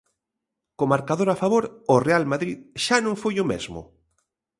Co marcador a favor, o Real Madrid xa non foi o mesmo.